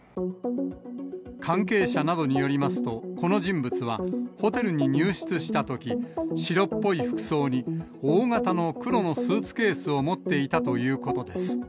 関係者などによりますと、この人物はホテルに入室したとき、白っぽい服装に、大型の黒のスーツケースを持っていたということです。